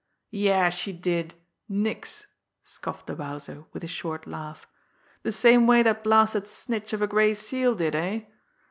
"Yes, she did nix!" scoffed the Wowzer, with a short laugh. "De same way dat blasted snitch of a Gray Seal did eh?